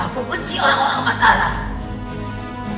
aku benci orang orang mataram